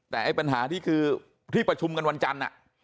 แต่ไอ้ปัญหาที่คือที่ประชุมกันวันจันทร์